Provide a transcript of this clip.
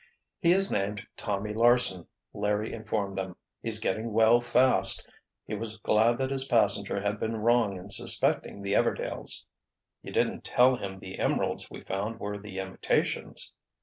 "He is named Tommy Larsen," Larry informed them. "He's getting well fast. He was glad that his passenger had been wrong in suspecting the Everdails——" "You didn't tell him the emeralds we found were the imitations?"